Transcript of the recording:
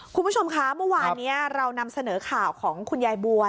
คุณผู้ชมคะเมื่อวานนี้เรานำเสนอข่าวของคุณยายบัว